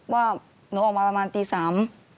ว่าหนูออกมาประมาณตีสาม